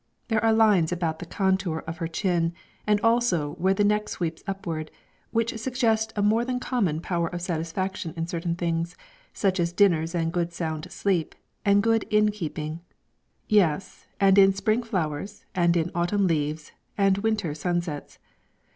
There are lines about the contour of her chin, and also where the neck sweeps upward, which suggest a more than common power of satisfaction in certain things, such as dinners and good sound sleep, and good inn keeping yes, and in spring flowers, and in autumn leaves and winter sunsets.